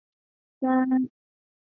维旺人口变化图示